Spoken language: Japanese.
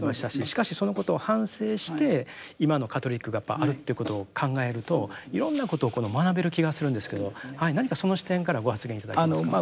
しかしそのことを反省して今のカトリックがあるってことを考えるといろんなことを学べる気がするんですけど何かその視点からご発言頂けますか。